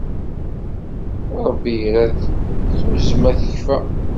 Ṛebbi irad, tuzzma tekfa.